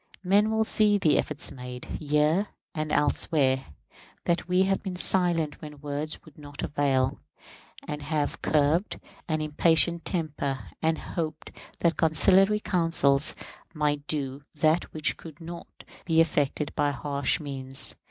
Men will see the efforts made, here and elsewhere; that we have been silent when words would not avail, and have curbed an impatient temper, and hoped that conciliatory counsels might do that which could not be effected by harsh means.